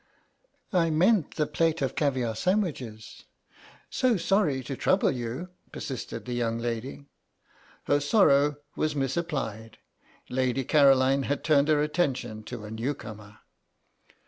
"I meant the place of caviare sandwiches. So sorry to trouble you," persisted the young lady. Her sorrow was misapplied; Lady Caroline had turned her attention to a newcomer.